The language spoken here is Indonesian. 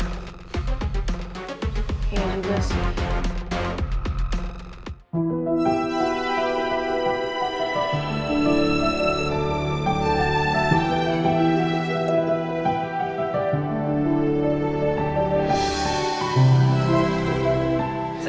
ya enggak sih